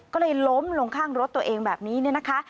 ก็เลยล้มลงข้างรถตัวเองแบบนี้เนี่ยนะคะ